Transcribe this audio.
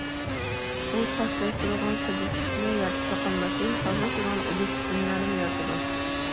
ئۇ خاسلاشتۇرۇلغان سۇبيېكتىپنى يارىتىپلا قالماستىن، خاسلاشتۇرۇلغان ئوبيېكتىپ دۇنيانىمۇ يارىتىدۇ.